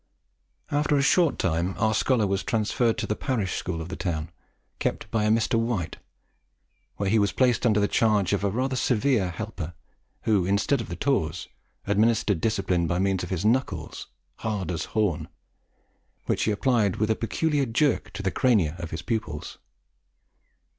After a short time our scholar was transferred to the parish school of the town, kept by a Mr. White, where he was placed under the charge of a rather severe helper, who, instead of the tawse, administered discipline by means of his knuckles, hard as horn, which he applied with a peculiar jerk to the crania of his pupils.